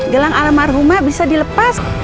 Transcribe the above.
gelang alam marhumah bisa dilepas